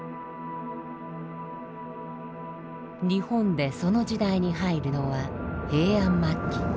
日本でその時代に入るのは平安末期。